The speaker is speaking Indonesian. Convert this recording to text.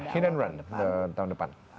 pada tahun depan